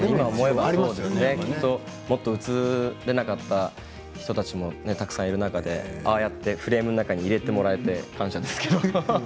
きっともっと映れなかった人たちもたくさんいる中でああやってフレームの中に入れてもらえて感謝ですけれど。